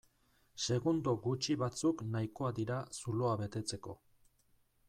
Segundo gutxi batzuk nahikoa dira zuloa betetzeko.